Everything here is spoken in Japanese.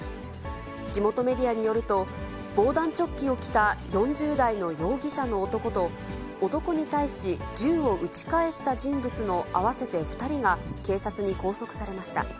地元メディアによると、防弾チョッキを着た４０代の容疑者の男と、男に対し銃を撃ち返した人物の合わせて２人が、警察に拘束されました。